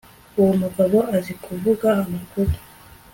uwo mugabo azi kuvuga amakuru